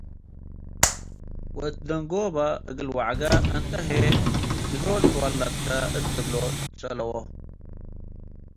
ወእት ደንጎበ፡ እግል ወዐገ፤ “እንተ ሀዬ ሚ ዶል ትወ'ለድከ?” እት ልብሎ ትሰአለዎ'።